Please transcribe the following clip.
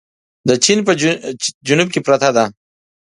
د چين په جنوب کې پرته ده.